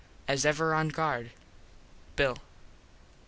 As ever on guard, _Bill.